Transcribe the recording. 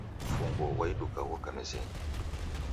Mfunguo ghwa iduka ghoka mezenyi